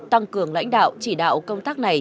tăng cường lãnh đạo chỉ đạo công tác này